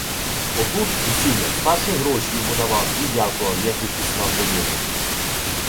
Отут, у сінях, старший гроші йому давав і дякував, як відпускав додому.